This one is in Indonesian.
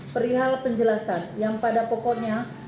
perihal penjelasan yang pada pokoknya